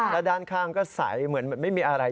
แล้วด้านข้างก็ใสเหมือนไม่มีอะไร